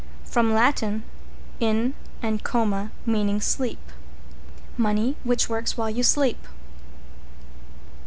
From Lat. in and coma, meaning sleep. Money which works while you sleep.